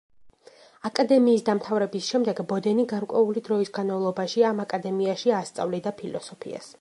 აკადემიის დამთავრების შემდეგ ბოდენი გარკვეული დროის განმავლობაში ამ აკადემიაში ასწავლიდა ფილოსოფიას.